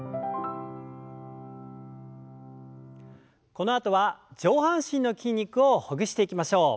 このあとは上半身の筋肉をほぐしていきましょう。